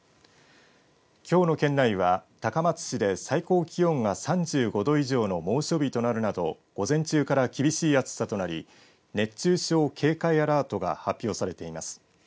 きょうの県内は高松市で最高気温が３５度以上の猛暑日となるなど午前中から厳しい暑さとなり熱中症警戒アラートが発表されています。